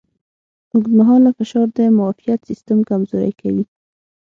اوږدمهاله فشار د معافیت سیستم کمزوری کوي.